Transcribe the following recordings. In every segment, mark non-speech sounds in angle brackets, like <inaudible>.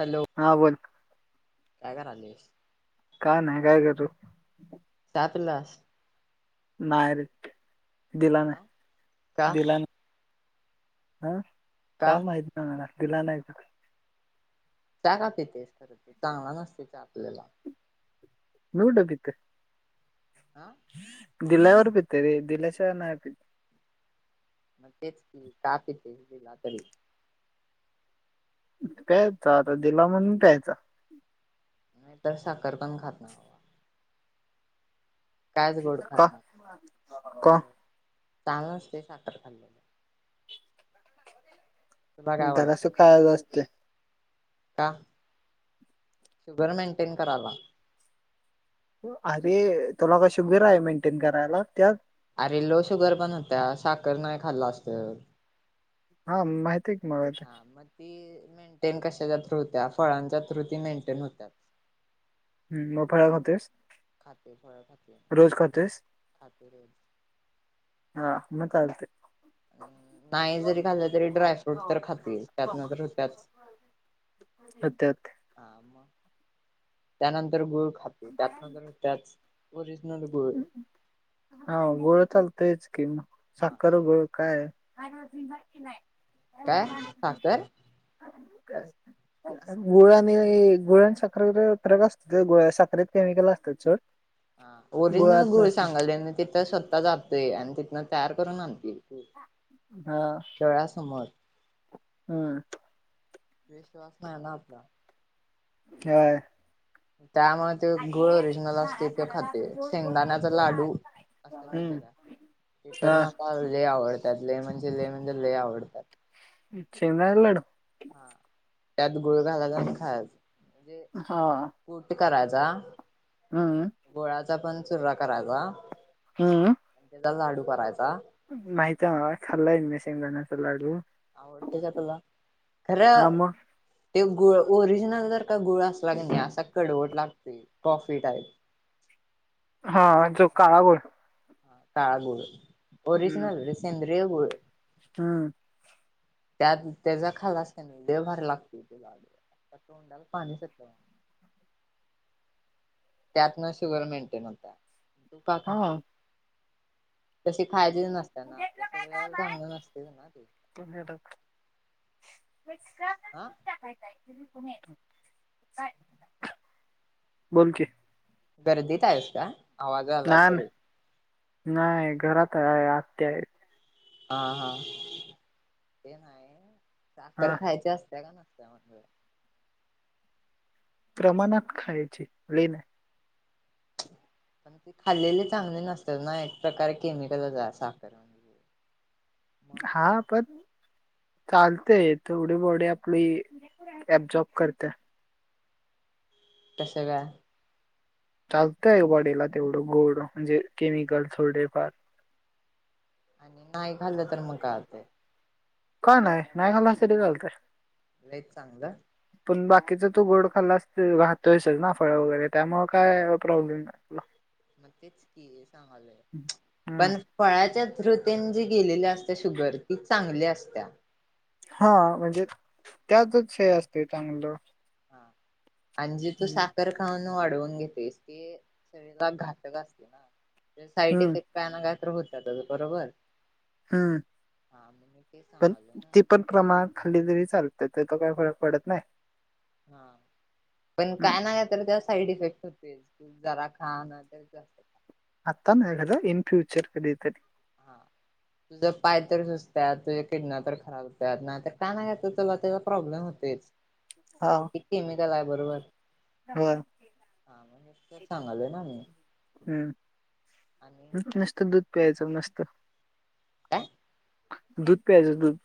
Hello हा बोल काय करायलीस? काय नाय काय करू आतुलंदास नाय रे दिला नाय हा का दिला न हं का माहिती मला दिला नाही त. राहतंय तेच खऱ तर ते चांगला नसते ते आपल्याला न्यु डबे हेत काय आ दिल्यावर पितय रे दिल्याशिवाय नाय पित मग तेच की, का पिते दिला तरी प्यायचा आता दिला म्हणून प्यायचा नाय तर साखर पण खात नाय बाबा खात का ना का? होय चांगलं नं नंसतय साखर खाल्लेलं. तुला काय जरास वाटते खायाचं असतय. का? शुगर मेंटेन करावा. अरे तुला का शुगर आहे मेंटेन करायला त्यात ते लो शुगर पण होत्या साखर नाय खाल्लंस तर हा माहि हा मग ती मेंटेन कशाच्या थ्रू होत्या. फळांच्या थ्रू ती मेंटेन होत्या. हम् म फळ खातेस. खाते फळ खाते खाते रे हा म चालतंय. अ नाही जरी खाल्लं तरी ड्रायफ्रूट तर खाते, त्यातनं तर होत्यात. होते होते आं म त्यानंतर गुळ खाते त्यातनं तर त्याच ओरि नल बळ हा गोळा चालतयच की म हा साखर गुळ काय? काय साखर <inaudible> <unintelligible> गुळ आणि हे गुळ आणि साखरेत फरक असतोय साखरेत केमिकल असतत सोड ओरिजनल गुळात गुळ नसते सांगालोय, आणि तिथं स्वत जातय आणि तिथनं तयार करून आणतुयऽऽ. दळा समोर, हम, विश्वास नाही ना आपलाऽऽ हां,, त्यामुळे ते, गूळ ओरिजिनल असतोय तो खातोय,, शेंगदाण्याचा लाडूऽऽ असच नाही हम्म का,, ते तर हा मला जे आवडतंऽऽ त्यात लेमण,, ले म्हण तर लय आवडतयऽऽ शेंगदाण्याचा लाडू,, हा,, त्यात गुळ घालायचा आणी खायाचा, म्हणजेऽऽ का राजा,, हमम पण चुर्रा कराायचाऽऽ हम्, लाडू करायचा,, माहीतय मला, खालाय मि पन शेंगदाण्याचा लाडू,, आवडतय का तुला? खरंऽ हा मग ते गुळ,, ओरिजिनल जर का गुळ असला क नाही असा कडवट लागतय,, कॉफी टाईप. हा,, जो मस्तच काळा लागते गूळ. काळा गुळ,, ओरिजनल रे, सेंद्रिय गुळ. हम्, त्यात त्याचा खालाच क नाही,, तो भारी लागतय ऽऽ तोंडाला पाणी सुटलय,, त्यातन शुगर मेंटेन होत्या, तुप हा खातऽऽ तशी खायचीच नसत्या,, आपल्या शरी चांगले नसते ना तेऽऽ आह,, बोल की,, गर्दीत आहेस का,, आवाज आलाय तरीऽऽ नाय,, घरात आहे आत्या आयत... हा, हा, ते नाही साखर हा खायचे असत्याऽऽ त्यागण असते आ घ <unintelligible> प्रमाणात खायची, लय नाई, <unintelligible> खाल्लेले चांगले नसताच नाइ,, एक प्रकारे केमिकलच आय साखर म्हणेऽऽ हाऽऽ पण, चालतेय,, थोडी बॉडी आपली अब्जॉर्ब करत्याऽऽ तसं, का? चालतय बॉडीला तेवढं गोड,, म्हणजे केमिकल थोडेफारऽऽ आणि नाही खाल्लं तर मग काय होतयऽऽ काय नाही, नाही खालास तरी चालतय.. लईच चांगलं,, पण बाकीचा तू गोड खाल्लास,, घातोय ना फळ वगैरे त्यामुळ काय प्रॉब्लेमऽऽ मग तेच की सांगलय,, हम्म. पण फळाच्याऽऽ शृतेन जी गेलेल्या असत्या शुगर,, ती चांगली असत्याऽऽ हाऽऽ म्हणजे त्यातच हे असतय चांगलं.. हा आणि जे तू हम्म साखर खाऊन वाढवून घेतोयस ते शरीरला घातक असते नाऽऽ साईड हम्म इफेक्ट काय ना काय तर होतय त्या बरोबरऽऽ हम्म,, पण सांगालो ना तेी पण प्रमाणात खाली तरी चालतयऽऽ तेथे तो काही फरक पडत नाही. हा पण हम्म. काय ना का तर त्या साईड इफेक्ट होत. े जरा खा ना तर जास्त आतान हद इन फ्युचर कधितरी हा तुझं पाय तर सुचतात तुझ्या किडना तर खराब होतात ना का नाही घेत तुला त्याला प्रॉब्लेम होत हा शवटी केमिकल आहे बरोबर होय हा मगतच सांगालय ना मी आणि नस्त दूध पियचं मस्त का दूध प्यायज दूध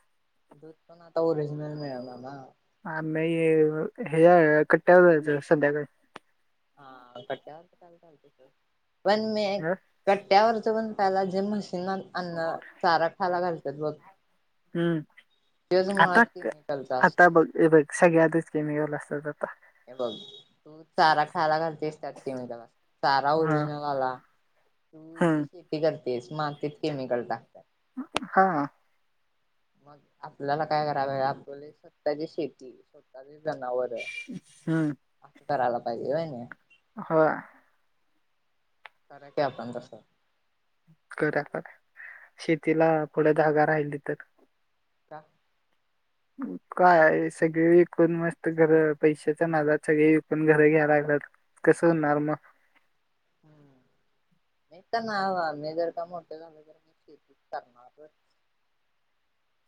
दूध पण आता ओरिजनल मळणार ना ह नाही हे कट्ट्यावर जायचं सध्याकाळी हा कट्ट्यावरचयला चालत पण मी कट्ट्यावरच पणला जे अन्न चारा खायला घालतात बघ हम्म त्योच आता मुळात केमिकलचा आता असतोय बघ बघ सगळ्यातच केमिकल असतात आता हे बघ तू चारा खायला घालते अससतात कि म चारा हा ओरिजिनल आला तू जी हम्म शेती करतेस मातेत केमिकल टाकतात हा मग आपल्याला काय करावं आपले स्वतःची शेती स्वतः वर हम्म अस करायला पाहिजे हा खय क आपण द स करा शेतीला पुढ धागा राहिली तर का काय सगळे विकून मस्त घर पैशाच्या नादात सगळे विकून घर घ्याय लागलात कसं होणार मग हम्म नाही तर ना ह आ्ी जर का मोठे झाले तर का शेती करणार तर <unintelligible>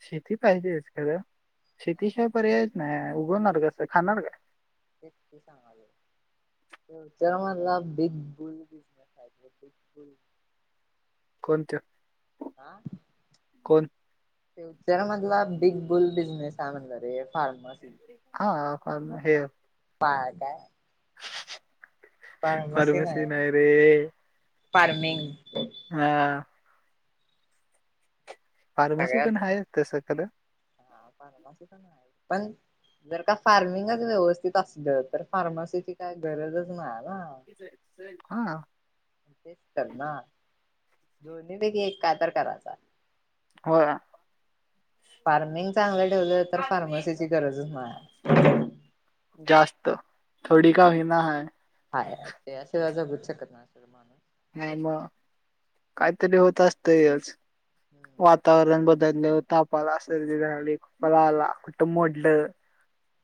शेती पाहिजेच खरां शेतीशाय पर्याय नाही उघडणार कसं खाणार का तेच ते सांगज त्या मलं big bull business big bull कोणत्या ह फ्यचर मधला बिग बुल बिझनेस कामंद रे फार्मसी हा का हे पा का मरमश्री नाय रे फारमिंग हम फार्मसी पण सगळ्यात आहे तसं खर हा पारला सुण आहे पण जर का फार्मिंगच व्यवस्थित असलं तर फार्मसीची काय गरजच नाही ना हा ना तेच तर ना दोन्ही पैकी एक काय तर करायचा हो फार्मिंग चांगलं ठेवलं तर फार्मसीची गरजच नाही जास्त थोडी का होना हय हा ते असे जगूच शकत ना असेल माणूस नाही मग काहीतरी होत असतयच हम्म वातावरण बद्दल धंदेव तापाला, सर्दी झाली, खोकला आला, कुठं मोडलं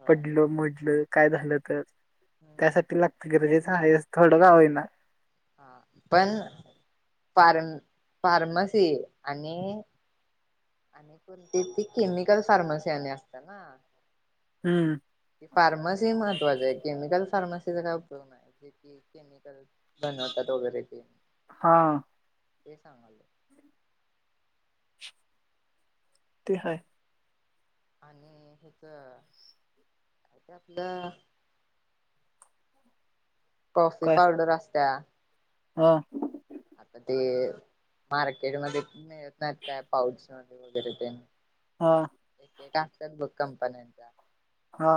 होय पडलं मडलं काय झालं तर हम्म त्यासाठी लागत गरजेच आहेस थोडं का होईना. हा पण फारम फार्मसी आणि आणि कोणती ती केमिकल फार्मसी आणि असत ना. हम्म फार्मसी महत्वाचे केमिकल फार्मसीचा काय उपयोग आहे जे क केमिकल बनवतात वगैरे ते. हा. ते सांगायलो. ते हाय. आणि हेच काय ते आपलं. कॉफी काय पावडर असत्या ना, हा. आता ते मार्केटमध्ये मिळतात काय पाऊच. वगैरे ते. हा. ते काय असतात बग कंपन्यांचा हा.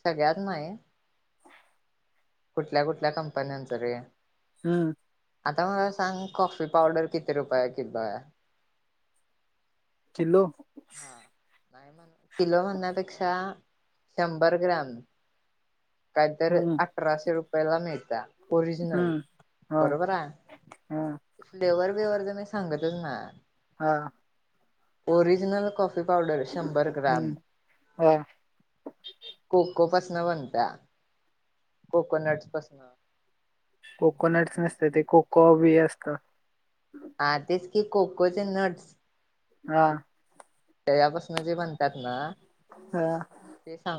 सगळ्यात नाही कुठल्या कुठल्या कंपन्यांच रे. हम्म. आता मला सांग कॉफी पावडर किती रुपये किलोये. किलो. हा नाही म्हण किलो म्हणण्यापेक्षा शंभर ग्रॅम, काहीतरी हम्म अठराशे रुपयाला मिळते. ओरिजनल हम्म हा बरोबर हाय, हा फ्लेवर च मी सांगतच नाय. हा. ओरिजनल कॉफी पावडर शंभर ग्राम हम्म हा कोकोपसन बनत कोकोनट पासन. कोकोनट नसत ते कोको बी असत. हा तेच की कोकोचे नट्स. हा. त्याच्या पासन जे बणतात ना. हा.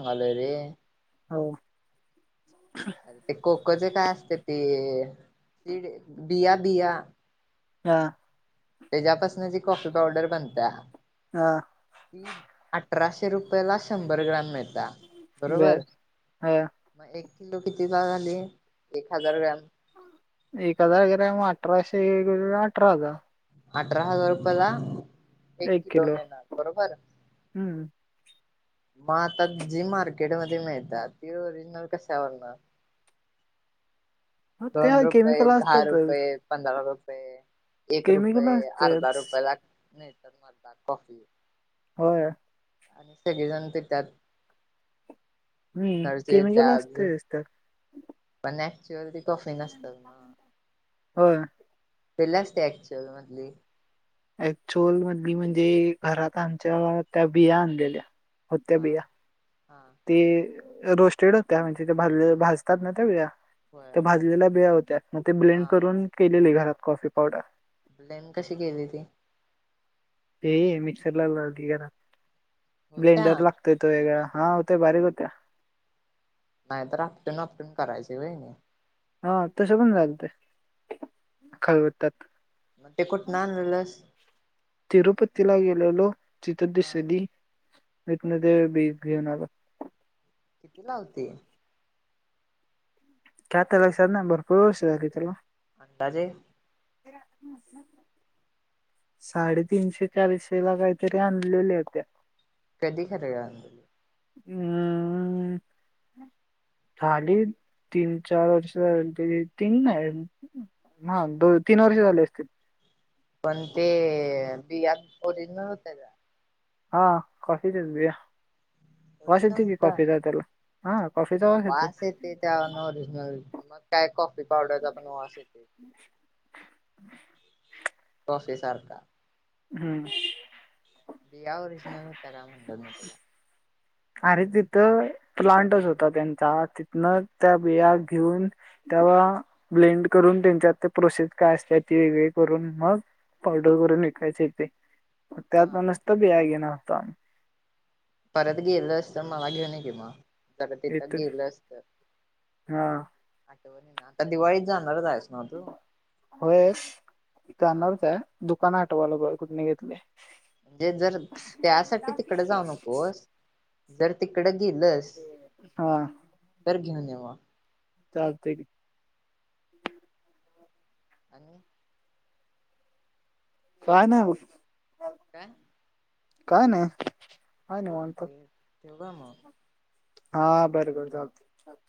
<unintelligible> हो. अरे ते कोकोचे काय असते ते शिड बिया बिया. हा. त्याच्यापासून ज कॉफी पावडर बनता. हा. ती अठराशे रुपय ला शंभर ग्रॅम मिळ ता, बरोबर बर हा म एक किलो कितीचा झाली एक हजार ग्रॅम एक हजार ग्रॅम अठराशे गे अठरा हजार अठरा हजार रुपयाला एक किलो मीळणार बरोबर. हम्म मग आता जी मार्केट मध्ये मिळतात ती ओरिजनल कशावरण. दोन त्या रुपये, केमिकल दहा असतातच रुपये, पंधरा रु पये एक केमिकल रुपये, अर्धा असतेच रुपये ला‌ तर माळता कॉफी. होय. आणि सगळेजण ते त्यांच्या त व्हय केमिकल त्यात असत जास्त पण ऍक्च्युअल ती कॉफी नसतात होय. पहिला असते ऍक्चुअल मधली ऍक्चुअल मधली म्हणजे घरात आमच्या त्या बिया आणलेल्या होत्या हा बिया. हा ते रोस्टेड होत्या म्हणजे ते भाजले भाजतात ना त्या बिया होय त्या होय भाजलेल्या बिया होत्या मग ते ब्लेंड हा करून केलेले घरात कॉफी पावडर ब्लेंड कशी केली ती? ते मिक्सरला लावली घरात. होत्या ब्लेंडर लागतोयतो वेगळा. हा होते बारीक होत नाहीतर आपटून आपटून करायच वई नाही हा तस पण झालते खलबत्त्यात मग ते कुठनं आणलेलंस तिरुपतीला गेले गेलो. तिथ हा दिसली, तिथं ते बी घेऊन आलो. किती लावते? का त्याला <unintelligible> भरपूर वर्ष झाली त्याला अंदाजे? <unintelligible> साडेतीनशे चारशे का काहीतरी आणलेल्या होत्या कधी खर आणलेल्या? अम झाली तीन चार वर्ष <unintelligible> हा दोन तीन वर्ष झाले असतील पण ते बिया ओरिजनल होत्या का? हा, कॉफीच्याच बीया, वास ओरिजनल येतो की होत्या कॉफीचा त्याला वास येते त्या ओरिजिनल मग काय कॉफी पावडरचा पण वास येतोय कॉफी सारखा हम्म. बिया ओरिजनल होत्या का म्हणलं मी तुला? अरे तिथं प्लांटच होता त्यांचा तिथन त्या बिया घेऊन तेव्हा ब्लेंड करून, त्यांच्या त्या प्रोसेस काय असते ती हे करून मग पावडर करून विकायचे ते मग त्या पण हा नुसत बिया घेणार होतो आम्ही. परत गेलं असत मला घेऊन ये कि मग जर तिथं येतो गेलंस तर हा आठवणीन. आता दिवाळीत जाणारच आहे होय, हा जाणारच आहे दुकान आठवायला पाहिजे कुठने घेतलय म्हणजे जर त्यासाठी तिकड जाऊ नकोस जर तिकडं गेलंस तर घेऊन ये म चालते की आणि काय नाय व काय? काय नाही. काय निवांत चालते ठेऊ का म? हा बरं बरं चालते.